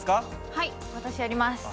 はい私やります。